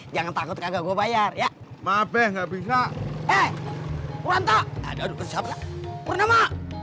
jangan takut kagak gue bayar ya maaf deh nggak bisa eh wanto ada bersama sama